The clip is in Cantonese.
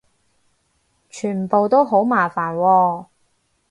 全部都好麻煩喎